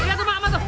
ya coba emang tuh